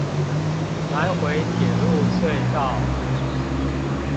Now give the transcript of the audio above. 南迴鐵路隧道